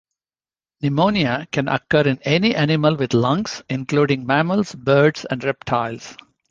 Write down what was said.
Pneumonia can occur in any animal with lungs, including mammals, birds, and reptiles.